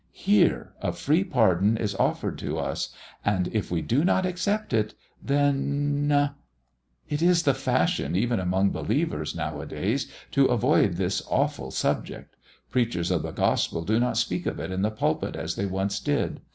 Here, a free pardon is offered to us, and if we do not accept it, then It is the fashion, even among believers, nowadays to avoid this awful subject. Preachers of the Gospel do not speak of it in the pulpit as they once did.